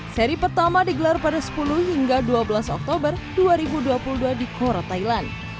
seri pertama digelar pada sepuluh hingga dua belas oktober dua ribu dua puluh dua di cora thailand